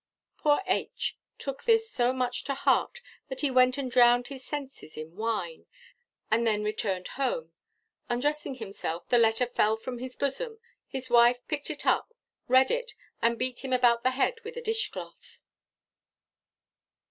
Poor H. took this so much to heart, that he went and drowned his senses in wine, and then returned home; undressing himself, the letter fell from his bosom, his wife picked it up, read it, and beat him about the head with a dish cloth.